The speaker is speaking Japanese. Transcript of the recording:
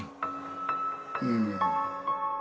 うん。